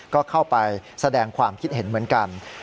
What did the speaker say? ก็เข้าไปแสดงความคิดเห็นเหมือนกัน